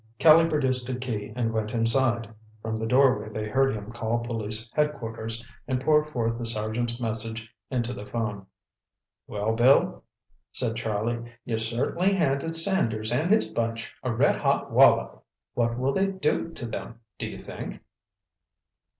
Kelly produced a key and went inside. From the doorway they heard him call Police Headquarters and pour forth the sergeant's message into the 'phone. "Well, Bill," said Charlie, "you certainly handed Sanders and his bunch a red hot wallop. What will they do to them, do you think?"